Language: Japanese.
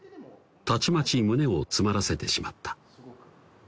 たちまち胸を詰まらせてしまった